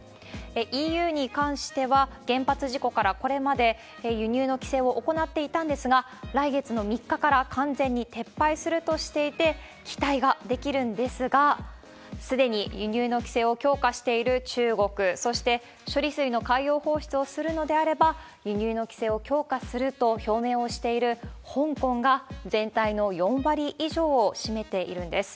ＥＵに関しては、原発事故からこれまで輸入の規制を行っていたんですが、来月の３日から完全に撤廃するとしていて、期待ができるんですが、すでに輸入の規制を強化している中国、そして処理水の海洋放出をするのであれば、輸入の規制を強化すると表明をしている香港が全体の４割以上を占めているんです。